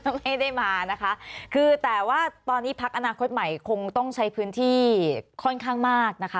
ไม่ได้มานะคะคือแต่ว่าตอนนี้พักอนาคตใหม่คงต้องใช้พื้นที่ค่อนข้างมากนะคะ